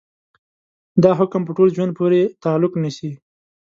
دا حکم په ټول ژوند پورې تعلق نيسي.